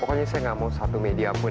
pokoknya saya nggak mau satu media pun